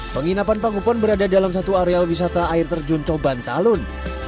penginapan panupon berada dalam satu areal wisata air terjun toban talun